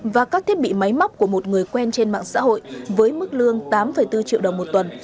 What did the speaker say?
và các thiết bị máy móc của một người quen trên mạng xã hội với mức lương tám bốn triệu đồng một tuần